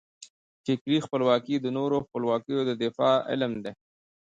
فکري خپلواکي د نورو خپلواکیو د دفاع علم دی.